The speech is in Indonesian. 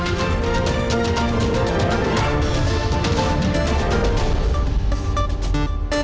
terima kasih mas dhani